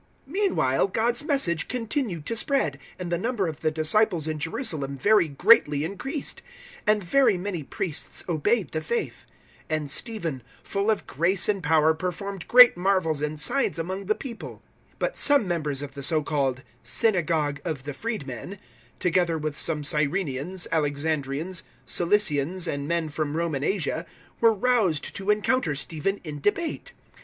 006:007 Meanwhile God's Message continued to spread, and the number of the disciples in Jerusalem very greatly increased, and very many priests obeyed the faith. 006:008 And Stephen, full of grace and power, performed great marvels and signs among the people. 006:009 But some members of the so called `Synagogue of the Freed men,' together with some Cyrenaeans, Alexandrians, Cilicians and men from Roman Asia, were roused to encounter Stephen in debate.